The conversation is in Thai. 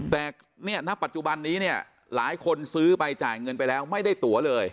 แต่เนี่ยณปัจจุบันนี้เนี่ยหลายคนซื้อไปจ่ายเงินไปแล้วไม่ได้ตัวเลย